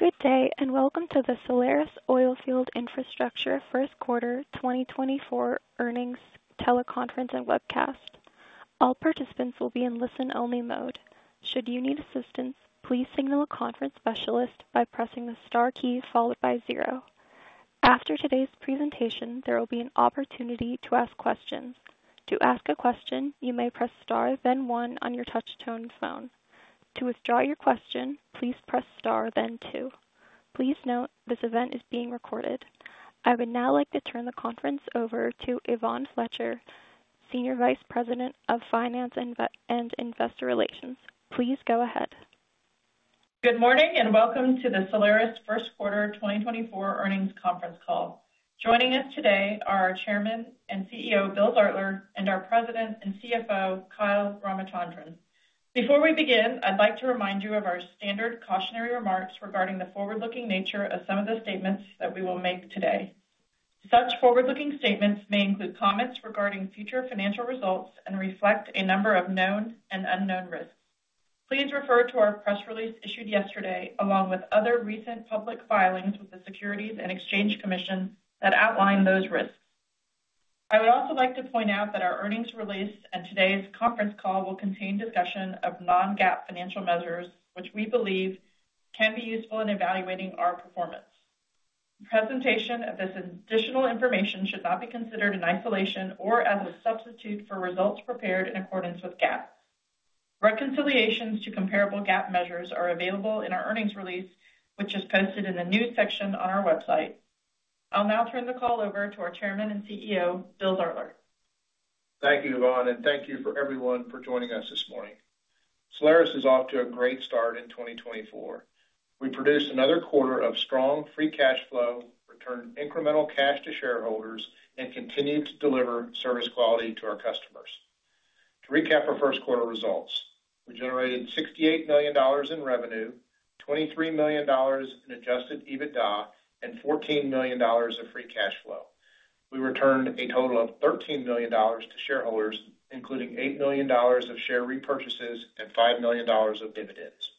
Good day, and welcome to the Solaris Oilfield Infrastructure First Quarter 2024 Earnings Teleconference and Webcast. All participants will be in listen-only mode. Should you need assistance, please signal a conference specialist by pressing the star key followed by zero. After today's presentation, there will be an opportunity to ask questions. To ask a question, you may press star then one on your touch-tone phone. To withdraw your question, please press star then two. Please note, this event is being recorded. I would now like to turn the conference over to Yvonne Fletcher, Senior Vice President of Finance and Investor Relations. Please go ahead. Good morning, and welcome to the Solaris First Quarter 2024 Earnings Conference Call. Joining us today are our Chairman and CEO, Bill Zartler, and our President and CFO, Kyle Ramachandran. Before we begin, I'd like to remind you of our standard cautionary remarks regarding the forward-looking nature of some of the statements that we will make today. Such forward-looking statements may include comments regarding future financial results and reflect a number of known and unknown risks. Please refer to our press release issued yesterday, along with other recent public filings with the Securities and Exchange Commission that outline those risks. I would also like to point out that our earnings release and today's conference call will contain discussion of non-GAAP financial measures, which we believe can be useful in evaluating our performance. Presentation of this additional information should not be considered in isolation or as a substitute for results prepared in accordance with GAAP. Reconciliations to comparable GAAP measures are available in our earnings release, which is posted in the news section on our website. I'll now turn the call over to our Chairman and CEO, Bill Zartler. Thank you, Yvonne, and thank you for everyone for joining us this morning. Solaris is off to a great start in 2024. We produced another quarter of strong free cash flow, returned incremental cash to shareholders, and continued to deliver service quality to our customers. To recap our first quarter results, we generated $68 million in revenue, $23 million in adjusted EBITDA, and $14 million of free cash flow. We returned a total of $13 million to shareholders, including $8 million of share repurchases and $5 million of dividends.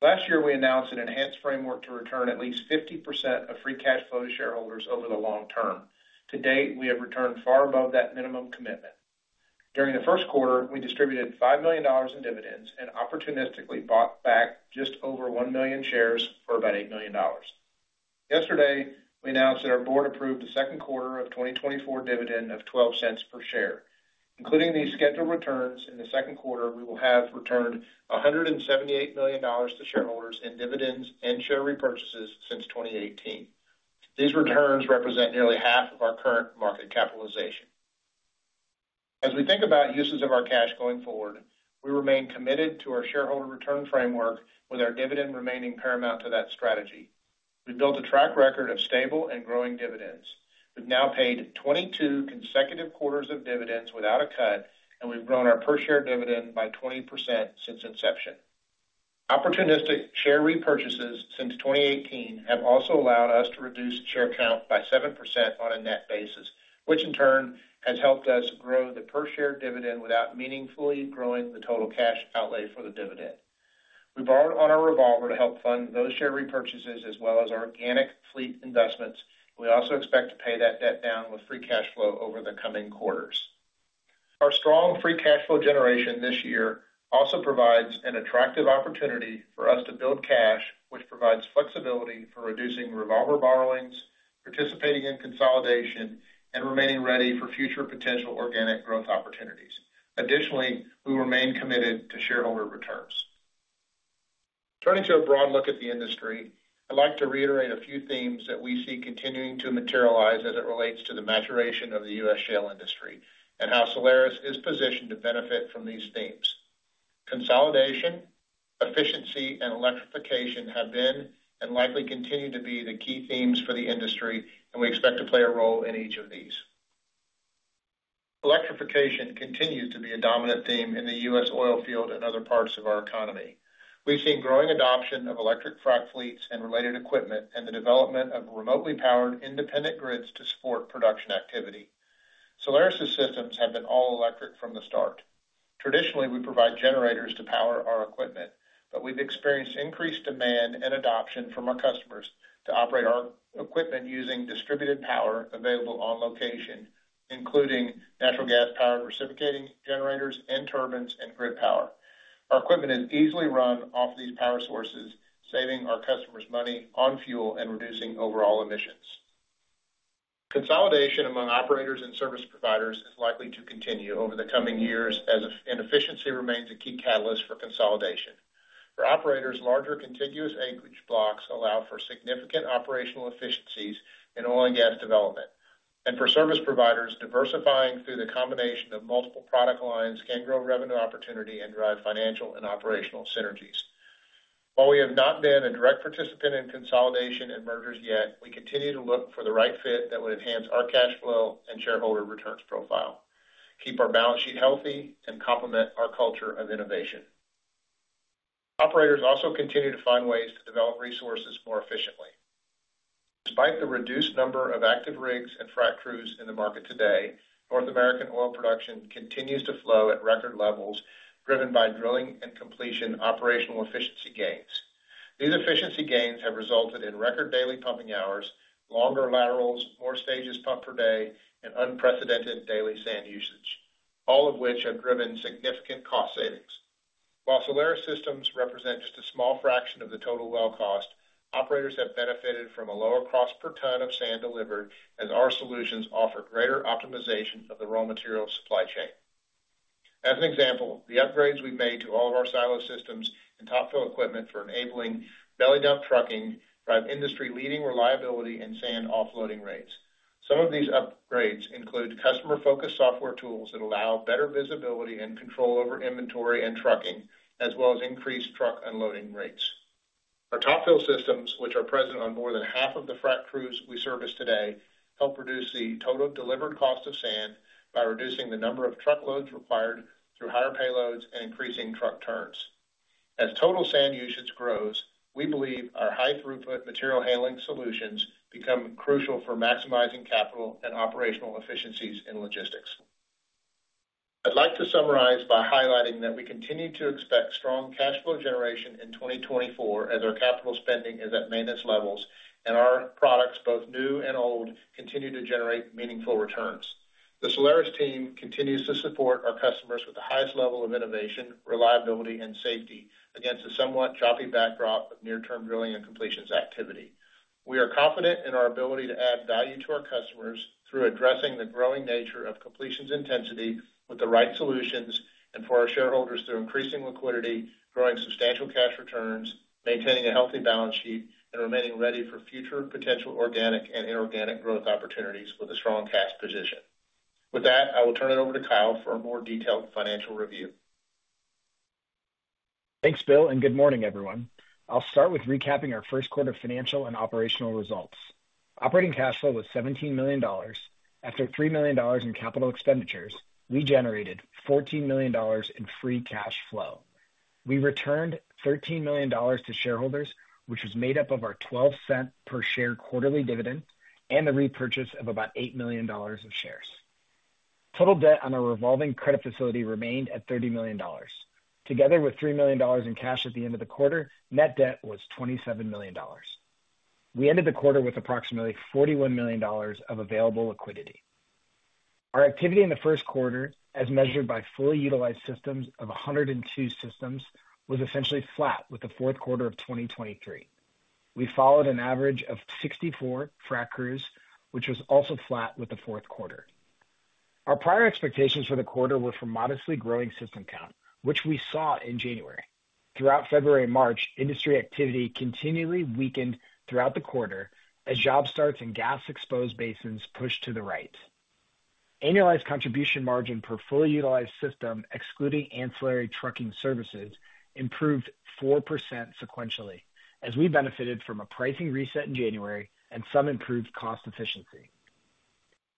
Last year, we announced an enhanced framework to return at least 50% of free cash flow to shareholders over the long term. To date, we have returned far above that minimum commitment. During the first quarter, we distributed $5 million in dividends and opportunistically bought back just over 1 million shares for about $8 million. Yesterday, we announced that our board approved the second quarter of 2024 dividend of $0.12 per share. Including these scheduled returns, in the second quarter, we will have returned $178 million to shareholders in dividends and share repurchases since 2018. These returns represent nearly half of our current market capitalization. As we think about uses of our cash going forward, we remain committed to our shareholder return framework, with our dividend remaining paramount to that strategy. We've built a track record of stable and growing dividends. We've now paid 22 consecutive quarters of dividends without a cut, and we've grown our per share dividend by 20% since inception. Opportunistic share repurchases since 2018 have also allowed us to reduce share count by 7% on a net basis, which in turn has helped us grow the per share dividend without meaningfully growing the total cash outlay for the dividend. We borrowed on our revolver to help fund those share repurchases as well as our organic fleet investments. We also expect to pay that debt down with free cash flow over the coming quarters. Our strong free cash flow generation this year also provides an attractive opportunity for us to build cash, which provides flexibility for reducing revolver borrowings, participating in consolidation, and remaining ready for future potential organic growth opportunities. Additionally, we remain committed to shareholder returns. Turning to a broad look at the industry, I'd like to reiterate a few themes that we see continuing to materialize as it relates to the maturation of the U.S. shale industry and how Solaris is positioned to benefit from these themes. Consolidation, efficiency, and electrification have been, and likely continue to be, the key themes for the industry, and we expect to play a role in each of these. Electrification continues to be a dominant theme in the U.S. oil field and other parts of our economy. We've seen growing adoption of electric frac fleets and related equipment, and the development of remotely powered independent grids to support production activity. Solaris' systems have been all electric from the start. Traditionally, we provide generators to power our equipment, but we've experienced increased demand and adoption from our customers to operate our equipment using distributed power available on location, including natural gas-powered reciprocating generators and turbines, and grid power. Our equipment is easily run off these power sources, saving our customers money on fuel and reducing overall emissions. Consolidation among operators and service providers is likely to continue over the coming years, as efficiency remains a key catalyst for consolidation. For operators, larger contiguous acreage blocks allow for significant operational efficiencies in oil and gas development, and for service providers, diversifying through the combination of multiple product lines can grow revenue opportunity and drive financial and operational synergies. While we have not been a direct participant in consolidation and mergers yet, we continue to look for the right fit that would enhance our cash flow and shareholder returns profile, keep our balance sheet healthy, and complement our culture of innovation. Operators also continue to find ways to develop resources more efficiently. Despite the reduced number of active rigs and frac crews in the market today, North American oil production continues to flow at record levels, driven by drilling and completion operational efficiency gains. These efficiency gains have resulted in record daily pumping hours, longer laterals, more stages pumped per day, and unprecedented daily sand usage, all of which have driven significant cost savings. While Solaris systems represent just a small fraction of the total well cost, operators have benefited from a lower cost per ton of sand delivered, as our solutions offer greater optimization of the raw material supply chain. As an example, the upgrades we've made to all of our silo systems and Top Fill equipment for enabling belly dump trucking drive industry-leading reliability and sand offloading rates. Some of these upgrades include customer-focused software tools that allow better visibility and control over inventory and trucking, as well as increased truck unloading rates. Our Top Fill systems, which are present on more than half of the frac crews we service today, help reduce the total delivered cost of sand by reducing the number of truckloads required through higher payloads and increasing truck turns. As total sand usage grows, we believe our high throughput material handling solutions become crucial for maximizing capital and operational efficiencies in logistics. I'd like to summarize by highlighting that we continue to expect strong cash flow generation in 2024, as our capital spending is at maintenance levels and our products, both new and old, continue to generate meaningful returns. The Solaris team continues to support our customers with the highest level of innovation, reliability, and safety against a somewhat choppy backdrop of near-term drilling and completions activity. We are confident in our ability to add value to our customers through addressing the growing nature of completions intensity with the right solutions, and for our shareholders, through increasing liquidity, growing substantial cash returns, maintaining a healthy balance sheet, and remaining ready for future potential organic and inorganic growth opportunities with a strong cash position. With that, I will turn it over to Kyle for a more detailed financial review. Thanks, Bill, and good morning, everyone. I'll start with recapping our first quarter financial and operational results. Operating cash flow was $17 million. After $3 million in capital expenditures, we generated $14 million in free cash flow. We returned $13 million to shareholders, which was made up of our $0.12 per share quarterly dividend and the repurchase of about $8 million of shares. Total debt on our revolving credit facility remained at $30 million. Together with $3 million in cash at the end of the quarter, net debt was $27 million. We ended the quarter with approximately $41 million of available liquidity. Our activity in the first quarter, as measured by fully utilized systems of 102 systems, was essentially flat with the fourth quarter of 2023. We followed an average of 64 frac crews, which was also flat with the fourth quarter. Our prior expectations for the quarter were for modestly growing system count, which we saw in January. Throughout February and March, industry activity continually weakened throughout the quarter as job starts and gas exposed basins pushed to the right. Annualized contribution margin per fully utilized system, excluding ancillary trucking services, improved 4% sequentially, as we benefited from a pricing reset in January and some improved cost efficiency.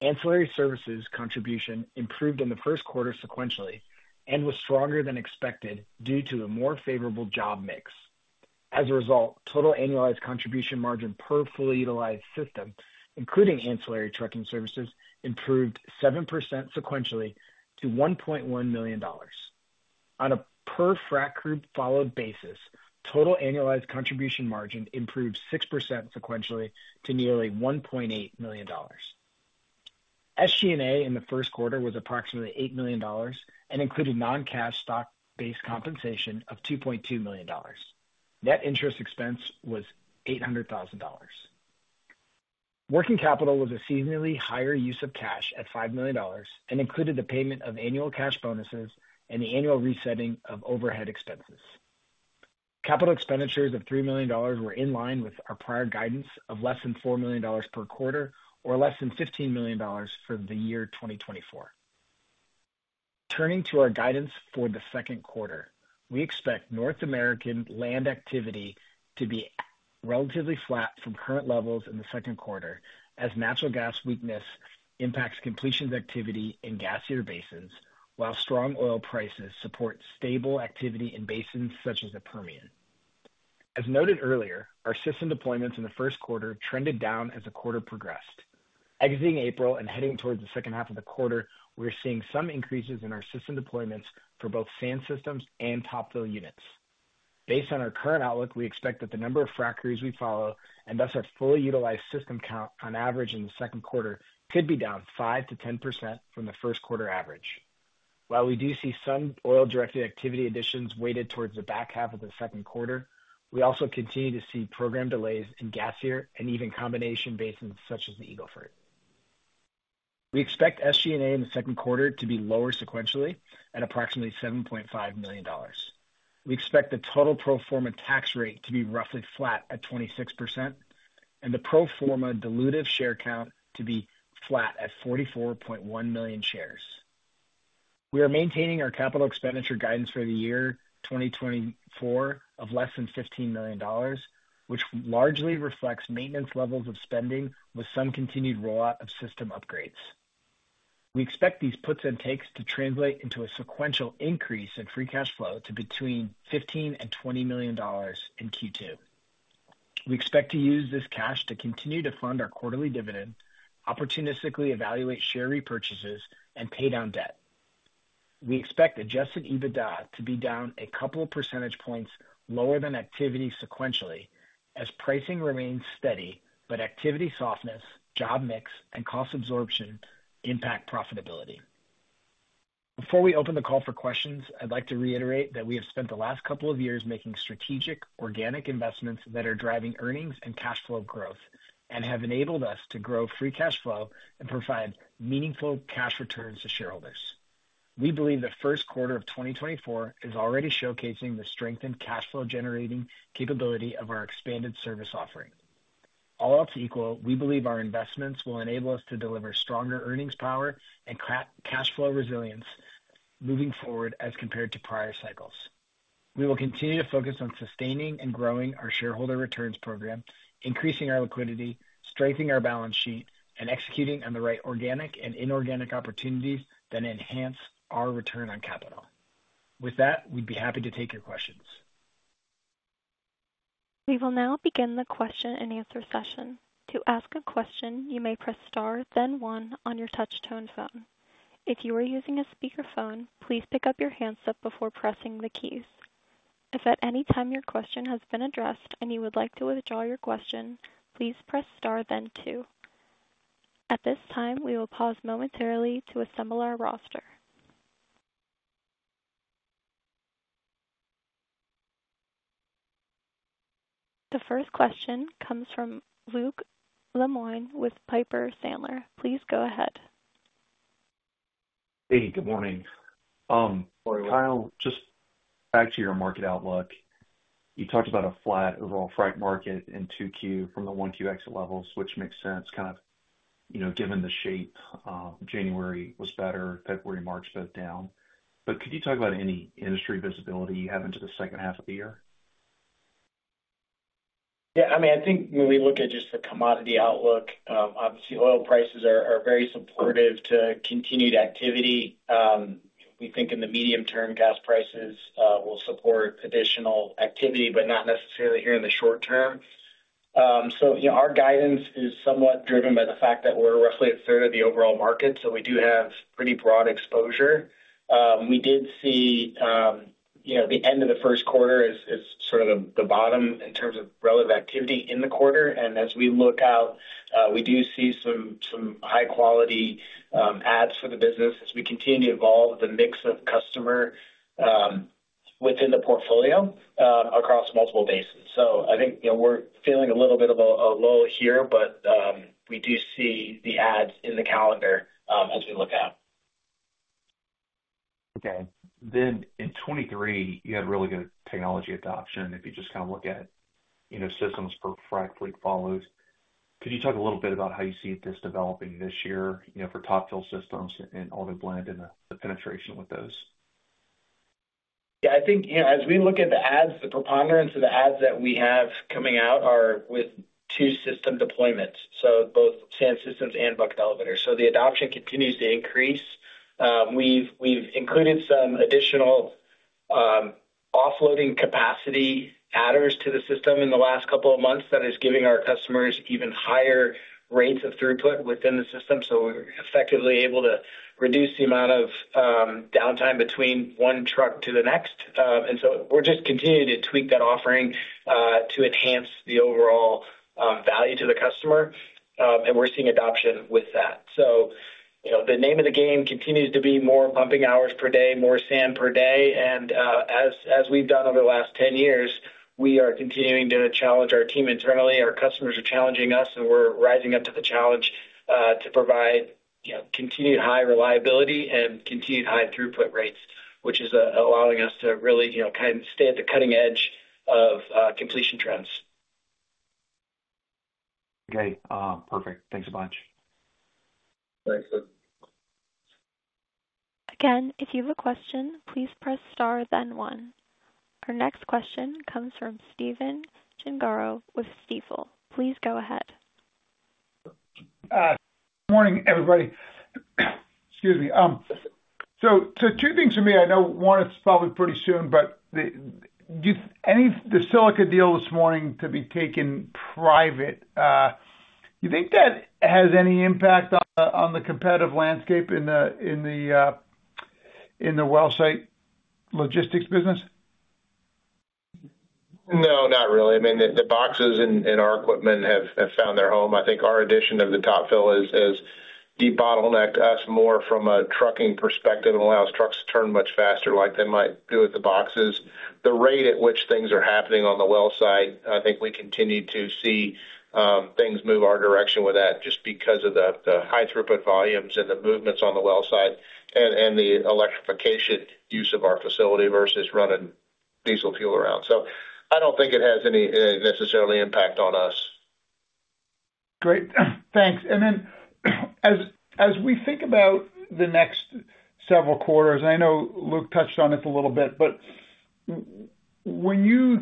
Ancillary services contribution improved in the first quarter sequentially and was stronger than expected due to a more favorable job mix. As a result, total annualized contribution margin per fully utilized system, including ancillary trucking services, improved 7% sequentially to $1.1 million. On a per frack group followed basis, total annualized contribution margin improved 6% sequentially to nearly $1.8 million. SG&A in the first quarter was approximately $8 million and included non-cash stock-based compensation of $2.2 million. Net interest expense was $800,000. Working capital was a seasonally higher use of cash at $5 million and included the payment of annual cash bonuses and the annual resetting of overhead expenses. Capital expenditures of $3 million were in line with our prior guidance of less than $4 million per quarter, or less than $15 million for the year 2024. Turning to our guidance for the second quarter, we expect North American land activity to be relatively flat from current levels in the second quarter, as natural gas weakness impacts completions activity in gassier basins, while strong oil prices support stable activity in basins such as the Permian. As noted earlier, our system deployments in the first quarter trended down as the quarter progressed. Exiting April and heading towards the second half of the quarter, we're seeing some increases in our system deployments for both sand systems and Top Fill units. Based on our current outlook, we expect that the number of Frac crews we follow, and thus our fully utilized system count on average in the second quarter, could be down 5%-10% from the first quarter average. While we do see some oil directed activity additions weighted towards the back half of the second quarter, we also continue to see program delays in gassier and even combination basins such as the Eagle Ford. We expect SG&A in the second quarter to be lower sequentially at approximately $7.5 million. We expect the total pro forma tax rate to be roughly flat at 26% and the pro forma dilutive share count to be flat at 44.1 million shares. We are maintaining our capital expenditure guidance for the year 2024 of less than $15 million, which largely reflects maintenance levels of spending with some continued rollout of system upgrades. We expect these puts and takes to translate into a sequential increase in free cash flow to between $15 million and $20 million in Q2. We expect to use this cash to continue to fund our quarterly dividend, opportunistically evaluate share repurchases, and pay down debt. We expect adjusted EBITDA to be down a couple of percentage points lower than activity sequentially, as pricing remains steady, but activity softness, job mix, and cost absorption impact profitability. Before we open the call for questions, I'd like to reiterate that we have spent the last couple of years making strategic organic investments that are driving earnings and cash flow growth, and have enabled us to grow free cash flow and provide meaningful cash returns to shareholders. We believe the first quarter of 2024 is already showcasing the strengthened cash flow generating capability of our expanded service offering. All else equal, we believe our investments will enable us to deliver stronger earnings power and cash flow resilience moving forward as compared to prior cycles. We will continue to focus on sustaining and growing our shareholder returns program, increasing our liquidity, strengthening our balance sheet, and executing on the right organic and inorganic opportunities that enhance our return on capital. With that, we'd be happy to take your questions. We will now begin the question and answer session. To ask a question, you may press star, then one on your touch tone phone. If you are using a speakerphone, please pick up your handset before pressing the keys. If at any time your question has been addressed and you would like to withdraw your question, please press star, then two. At this time, we will pause momentarily to assemble our roster. The first question comes from Luke Lemoine with Piper Sandler. Please go ahead. Hey, good morning. Good morning. Kyle, just back to your market outlook. You talked about a flat overall freight market in 2Q from the 1Q exit levels, which makes sense, kind of, you know, given the shape, January was better, February, March, both down. But could you talk about any industry visibility you have into the second half of the year? Yeah, I mean, I think when we look at just the commodity outlook, obviously oil prices are, are very supportive to continued activity. We think in the medium term, gas prices, will support additional activity, but not necessarily here in the short term. So, you know, our guidance is somewhat driven by the fact that we're roughly a third of the overall market, so we do have pretty broad exposure. We did see, you know, the end of the first quarter is, is sort of the, the bottom in terms of relative activity in the quarter. And as we look out, we do see some, some high quality, adds for the business as we continue to evolve the mix of customer, within the portfolio, across multiple basins. I think, you know, we're feeling a little bit of a lull here, but we do see the ads in the calendar as we look out. Okay. Then in 2023, you had really good technology adoption. If you just kind of look at, you know, systems for frac fleet follows. Could you talk a little bit about how you see this developing this year, you know, for Top Fill Systems and AutoBlend and the penetration with those? Yeah, I think, you know, as we look at the adds, the preponderance of the adds that we have coming out are with two system deployments, so both sand systems and bucket elevators. So the adoption continues to increase. We've included some additional offloading capacity adders to the system in the last couple of months. That is giving our customers even higher rates of throughput within the system. So we're effectively able to reduce the amount of downtime between one truck to the next. And so we're just continuing to tweak that offering to enhance the overall value to the customer, and we're seeing adoption with that. So, you know, the name of the game continues to be more pumping hours per day, more sand per day. As we've done over the last 10 years, we are continuing to challenge our team internally. Our customers are challenging us, and we're rising up to the challenge, to provide, you know, continued high reliability and continued high throughput rates, which is allowing us to really, you know, kind of stay at the cutting edge of completion trends. Okay, perfect. Thanks a bunch. Thanks, Luke. Again, if you have a question, please press star, then one. Our next question comes from Stephen Gengaro with Stifel. Please go ahead. Morning, everybody. Excuse me. So two things for me. I know one is probably pretty soon, but the Silica deal this morning to be taken private, do you think that has any impact on the competitive landscape in the well site logistics business? No, not really. I mean, the boxes and our equipment have found their home. I think our addition of the Top Fill is debottleneck us more from a trucking perspective and allows trucks to turn much faster like they might do with the boxes. The rate at which things are happening on the well site, I think we continue to see things move our direction with that, just because of the high throughput volumes and the movements on the well site and the electrification use of our facility versus running diesel fuel around. So I don't think it has any necessarily impact on us. Great. Thanks. And then, as we think about the next several quarters, I know Luke touched on it a little bit, but when you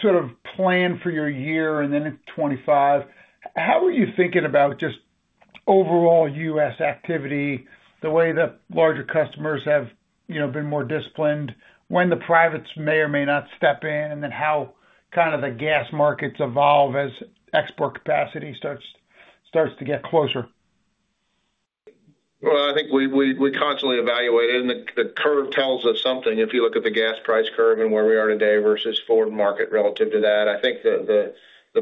sort of plan for your year and then in 2025, how are you thinking about just overall U.S. activity, the way the larger customers have, you know, been more disciplined, when the privates may or may not step in, and then how kind of the gas markets evolve as export capacity starts to get closer? Well, I think we constantly evaluate it, and the curve tells us something. If you look at the gas price curve and where we are today versus forward market relative to that, I think the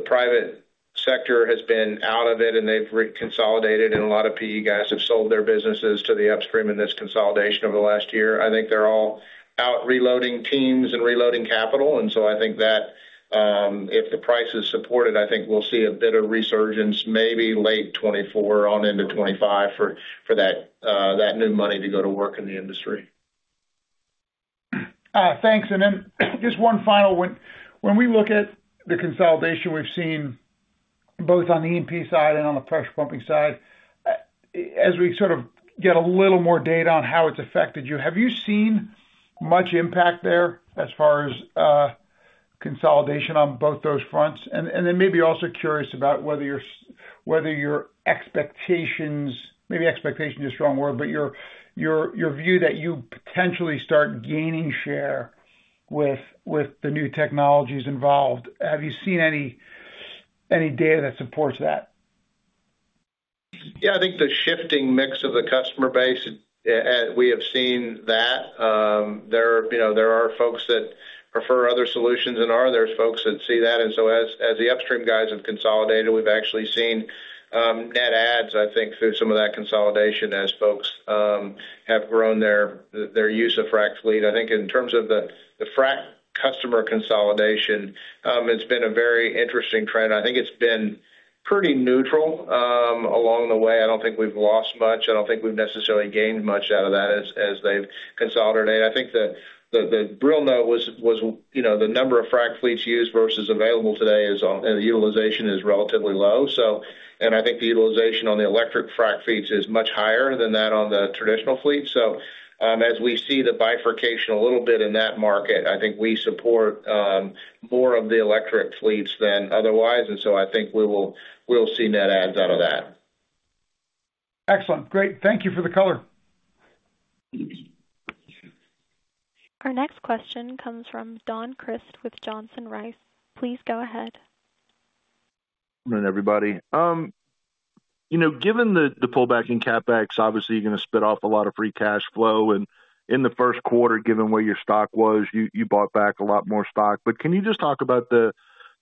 private sector has been out of it, and they've reconsolidated, and a lot of PE guys have sold their businesses to the upstream in this consolidation over the last year. I think they're all out reloading teams and reloading capital, and so I think that, if the price is supported, I think we'll see a bit of resurgence maybe late 2024 on into 2025 for, for that, that new money to go to work in the industry. Thanks. And then, just one final one. When we look at the consolidation we've seen both on the E&P side and on the pressure pumping side, as we sort of get a little more data on how it's affected you, have you seen much impact there as far as consolidation on both those fronts? And then maybe also curious about whether your expectations, maybe expectation is a strong word, but your view that you potentially start gaining share with the new technologies involved. Have you seen any data that supports that? Yeah, I think the shifting mix of the customer base, we have seen that. There, you know, there are folks that prefer other solutions than ours. There's folks that see that, and so as the upstream guys have consolidated, we've actually seen net adds, I think, through some of that consolidation, as folks have grown their use of frac fleet. I think in terms of the frac customer consolidation, it's been a very interesting trend. I think it's been pretty neutral along the way. I don't think we've lost much. I don't think we've necessarily gained much out of that as they've consolidated. I think the real note was, you know, the number of frac fleets used versus available today is the utilization is relatively low, so, I think the utilization on the electric frac fleets is much higher than that on the traditional fleet. As we see the bifurcation a little bit in that market, I think we support more of the electric fleets than otherwise, and so I think we'll see net adds out of that. Excellent. Great. Thank you for the color. Our next question comes from Don Crist with Johnson Rice. Please go ahead. Good morning, everybody. You know, given the pullback in CapEx, obviously, you're gonna spit off a lot of free cash flow, and in the first quarter, given where your stock was, you bought back a lot more stock. But can you just talk about the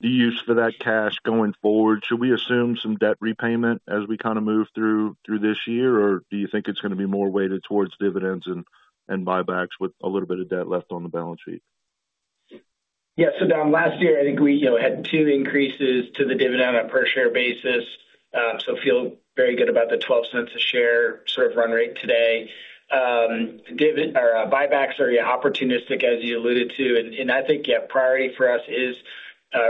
use of that cash going forward? Should we assume some debt repayment as we kinda move through this year, or do you think it's gonna be more weighted towards dividends and buybacks with a little bit of debt left on the balance sheet? Yeah. So Don, last year, I think we, you know, had two increases to the dividend on a per share basis, so feel very good about the $0.12 a share sort of run rate today. Buybacks are opportunistic, as you alluded to, and I think, yeah, priority for us is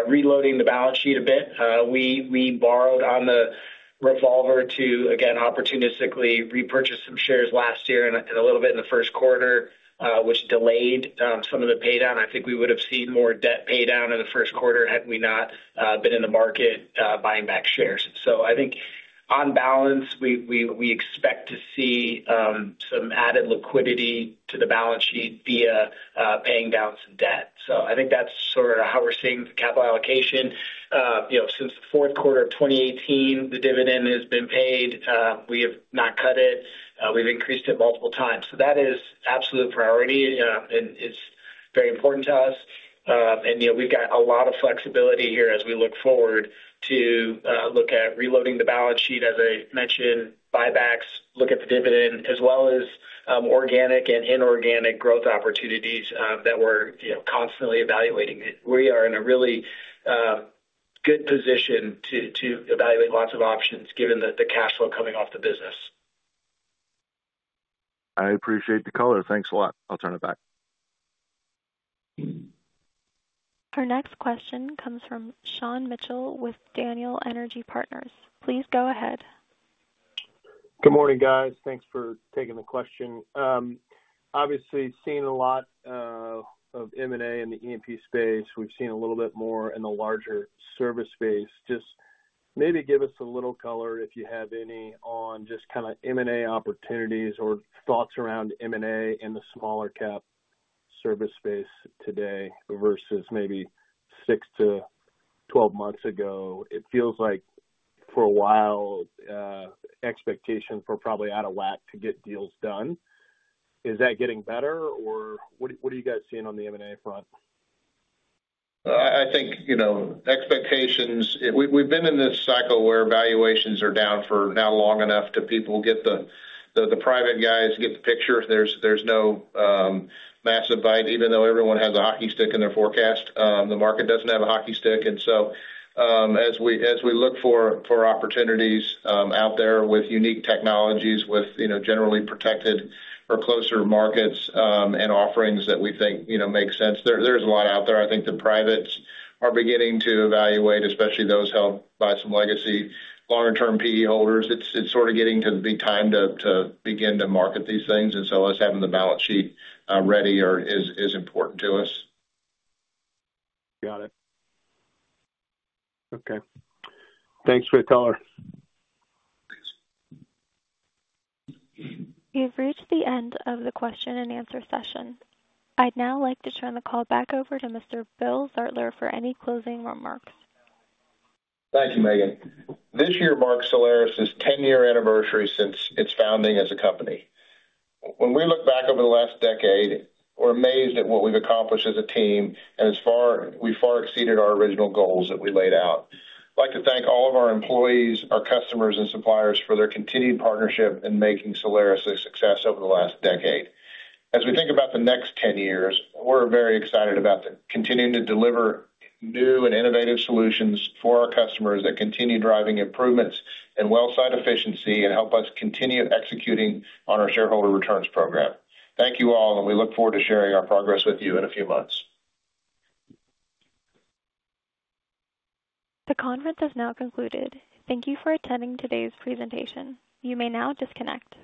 reloading the balance sheet a bit. We borrowed on the revolver to, again, opportunistically repurchase some shares last year and a little bit in the first quarter, which delayed some of the paydown. I think we would have seen more debt paydown in the first quarter had we not been in the market buying back shares. So I think on balance, we expect to see some added liquidity to the balance sheet via paying down some debt. So I think that's sort of how we're seeing the capital allocation. You know, since the fourth quarter of 2018, the dividend has been paid. We have not cut it. We've increased it multiple times. So that is absolute priority. And it's very important to us. And, you know, we've got a lot of flexibility here as we look forward to reloading the balance sheet, as I mentioned, buybacks, look at the dividend, as well as, organic and inorganic growth opportunities, that we're, you know, constantly evaluating. We are in a really good position to evaluate lots of options given the cash flow coming off the business. I appreciate the color. Thanks a lot. I'll turn it back. Our next question comes from Sean Mitchell with Daniel Energy Partners. Please go ahead. Good morning, guys. Thanks for taking the question. Obviously, seeing a lot of M&A in the E&P space. We've seen a little bit more in the larger service space. Just maybe give us a little color, if you have any, on just kinda M&A opportunities or thoughts around M&A in the smaller cap service space today versus maybe 6-12 months ago. It feels like for a while, expectations were probably out of whack to get deals done. Is that getting better, or what, what are you guys seeing on the M&A front? I think, you know, expectations. We've been in this cycle where valuations are down for now long enough to people get the private guys get the picture. There's no massive bite, even though everyone has a hockey stick in their forecast. The market doesn't have a hockey stick, and so, as we look for opportunities out there with unique technologies, with, you know, generally protected or closer markets, and offerings that we think, you know, make sense, there's a lot out there. I think the privates are beginning to evaluate, especially those held by some legacy longer-term PE holders. It's sort of getting to be time to begin to market these things, and so us having the balance sheet ready is important to us. Got it. Okay. Thanks for the color. We have reached the end of the question and answer session. I'd now like to turn the call back over to Mr. Bill Zartler for any closing remarks. Thank you, Megan. This year marks Solaris's 10-year anniversary since its founding as a company. When we look back over the last decade, we're amazed at what we've accomplished as a team, and we far exceeded our original goals that we laid out. I'd like to thank all of our employees, our customers, and suppliers for their continued partnership in making Solaris a success over the last decade. As we think about the next 10 years, we're very excited about continuing to deliver new and innovative solutions for our customers that continue driving improvements in well site efficiency and help us continue executing on our shareholder returns program. Thank you all, and we look forward to sharing our progress with you in a few months. The conference has now concluded. Thank you for attending today's presentation. You may now disconnect.